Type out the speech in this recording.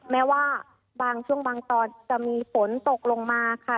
แม้ว่าบางช่วงบางตอนจะมีฝนตกลงมาค่ะ